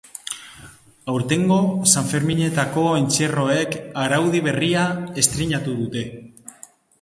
Aurtengo sanferminetako entzierroek araudi berria estreinatu dute.